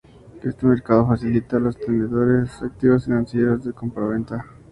Este mercado facilita a los tenedores de activos financieros su compraventa.